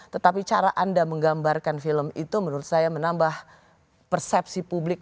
tetapi cara anda menggambarkan film itu menurut saya menambah persepsi publik